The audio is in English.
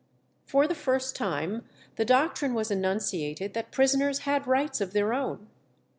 For the first time the doctrine was enunciated that prisoners had rights of their own.